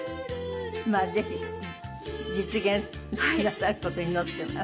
ぜひ実現なさる事を祈っています。